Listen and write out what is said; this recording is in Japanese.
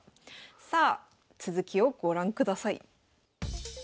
さあ続きをご覧ください。